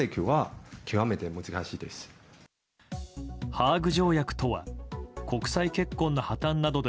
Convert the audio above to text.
ハーグ条約とは国際結婚の破綻などで